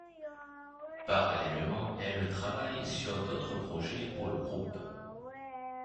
Parallèlement, elle travaille sur d'autres projets pour le groupe.